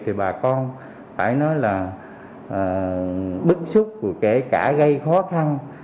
thì bà con phải nói là bức xúc kể cả gây khó khăn